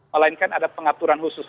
melainkan ada pengaturan khusus